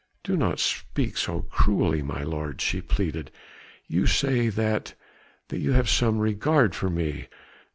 "Do not speak so cruelly, my lord," she pleaded, "you say that ... that you have some regard for me